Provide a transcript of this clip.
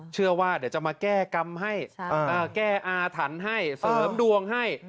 เชื่อว่าเดี๋ยวจะมาแก้กรรมให้แก้อาถรรพ์ให้เสริมดวงให้